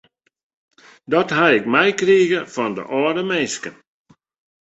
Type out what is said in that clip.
Dat ha ik meikrige fan de âlde minsken.